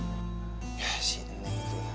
gak sih neng itu